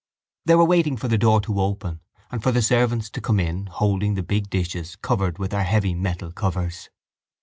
They were waiting for the door to open and for the servants to come in, holding the big dishes covered with their heavy metal covers.